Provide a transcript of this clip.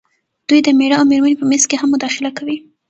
دوی د مېړۀ او مېرمنې په منځ کې هم مداخله کوي.